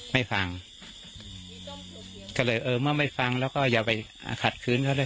ไม่ฟังก็เลยเออเมื่อไม่ฟังแล้วก็อย่าไปขัดคืนเขาเลย